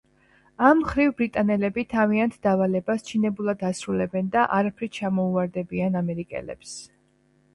ამ მხრივ ბრიტანელები თავიანთ დავალებას ჩინებულად ასრულებენ და არაფრით ჩამოუვარდებიან ამერიკელებს.